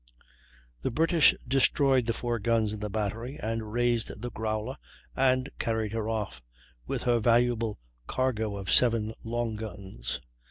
The British destroyed the four guns in the battery, and raised the Growler and carried her off, with her valuable cargo of seven long guns.